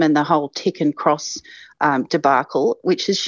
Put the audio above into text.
dan seluruh debak yang berkaitan dengan keras